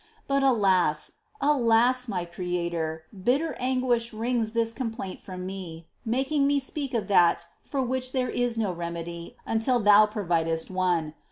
But alas, alas, my Creator, bitter anguish wrings this complaint from me, making me speak of that for which there is no remedy until Thou providest one